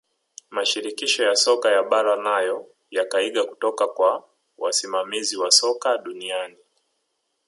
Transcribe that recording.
mashirikisho ya soka ya mabara nayo yakaiga kutoka kwa wasimamizi wa soka duniani